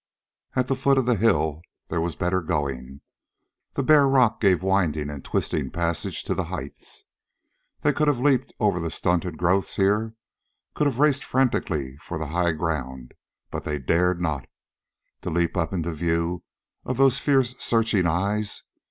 At the foot of the hill there was better going; the bare rock gave winding and twisting passage to the heights. They could have leaped over the stunted growths here, could have raced frantically for the high ground, but they dared not. To leap up into view of those fierce, searching eyes!